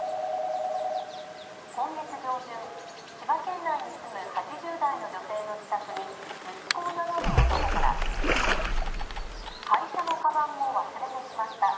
今月上旬、千葉県内に住む８０代の女性の自宅に息子を名乗る男から会社のかばんを忘れてしまった。